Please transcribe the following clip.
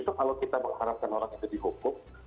itu kalau kita mengharapkan orang itu dihukum